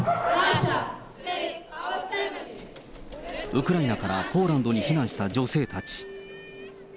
ウクライナからポーランドに避難した女性たち。